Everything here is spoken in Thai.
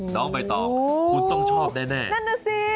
ต้องไปต่อคุณต้องชอบแน่แน่น่ะสิ